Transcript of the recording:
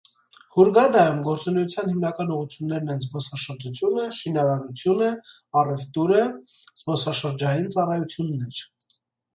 Հուրգադայում գործունեության հիմնական ուղղություններն են զբոսաշրջությունը, ծինարարությունը, առևտուրը, զբոսածրջային ծառայություններ։